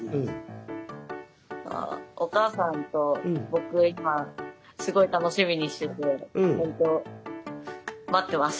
あお母さんと僕が今すごい楽しみにしててほんと待ってます。